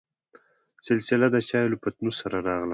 سلسله دچايو له پتنوس سره راغله.